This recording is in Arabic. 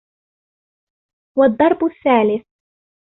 وَالضَّرْبُ الثَّالِثُ